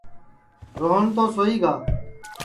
روہن تو سوئی گا